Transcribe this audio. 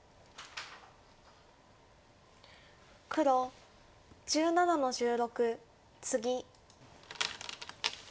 黒１７の十六ツギ。